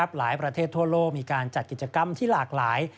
ประเทศทั่วโลกมีการจัดกิจกรรมที่หลากหลาย